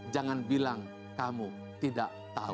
jangan bilang kamu tidak tahu